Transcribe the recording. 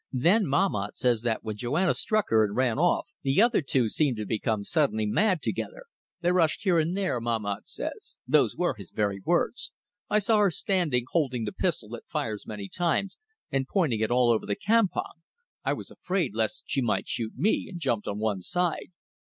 Then Mahmat says that when Joanna struck her and ran off, the other two seemed to become suddenly mad together. They rushed here and there. Mahmat says those were his very words: 'I saw her standing holding the pistol that fires many times and pointing it all over the campong. I was afraid lest she might shoot me, and jumped on one side.